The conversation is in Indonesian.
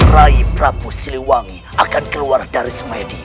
rai prabu siliwangi akan keluar dari semedi